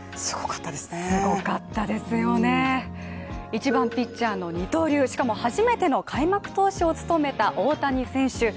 すごかったですよね、１番・ピッチャーの二刀流、しかも、初めての開幕投手を務めた大谷選手。